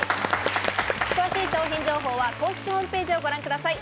詳しい商品情報は公式ホームページをご覧ください。